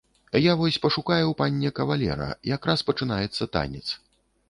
Я вось пашукаю панне кавалера, якраз пачынаецца танец.